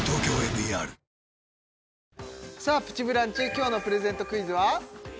今日のプレゼントクイズは？